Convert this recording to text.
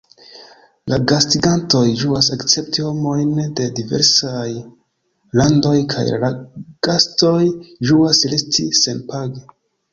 La gastigantoj ĝuas akcepti homojn de diversaj landoj, kaj la gastoj ĝuas resti senpage.